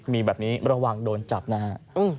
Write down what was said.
มีแบบนี้ระวังโดนจับนะฮะ